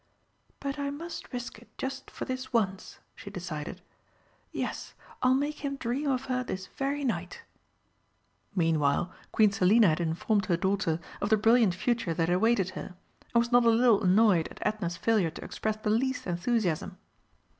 "But I must risk it just for this once," she decided. "Yes, I'll make him dream of her this very night." Meanwhile Queen Selina had informed her daughter of the brilliant future that awaited her, and was not a little annoyed at Edna's failure to express the least enthusiasm.